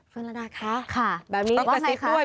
เฟิร์นลาดาค่ะค่ะแบบนี้ว่าไงค่ะแล้วก็กระซิบด้วย